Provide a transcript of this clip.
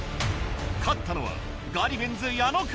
勝ったのはガリベンズ矢野か？